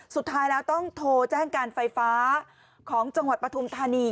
สุดท้ายแล้วต้องโทรแจ้งการไฟฟ้าของจังหวัดปฐุมธานี